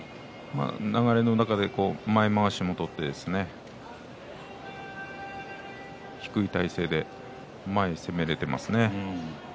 流れの中で前まわしを取って低い体勢で前に攻められています。